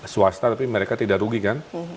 swasta tapi mereka tidak rugi kan